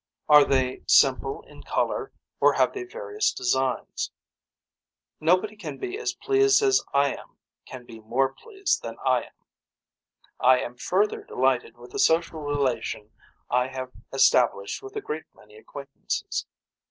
Are they simple in color or have they various designs. Nobody can be as pleased as I am can be more pleased than I am. I am further delighted with the social relation I have established with a great many acquaintances.